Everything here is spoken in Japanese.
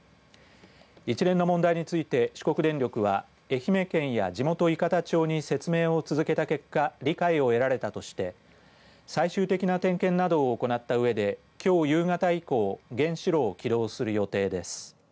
一連の問題について、四国電力は愛媛県や地元、伊方町に説明を続けた結果理解を得られたとして最終的な点検などを行ったうえできょう夕方以降原子炉を起動する予定です。